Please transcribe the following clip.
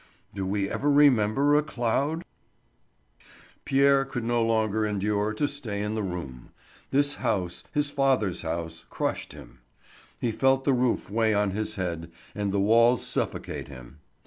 Do we ever remember a cloud? Pierre could no longer endure to stay in the room! This house, his father's house, crushed him. He felt the roof weigh on his head, and the walls suffocate him.